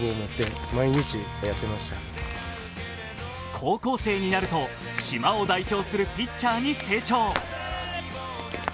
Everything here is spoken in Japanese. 高校生になると、島を代表するピッチャーに成長。